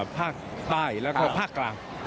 ภาคใต้แล้วก็ภาคกลาง